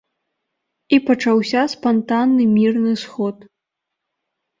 І пачаўся спантанны мірны сход.